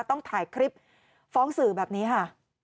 ต้องถ่ายคลิปฟ้องสื่อแบบนี้ค่ะ